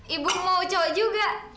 ibu mau cowok juga